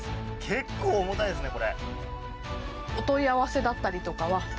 結構重たいですね。